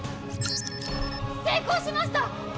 成功しました！